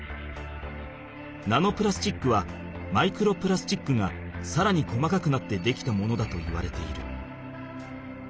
ナノプラスチックはマイクロプラスチックがさらに細かくなってできたものだといわれている。